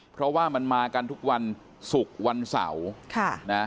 เพราะว่ามันมากันทุกวันศุกร์วันเสาร์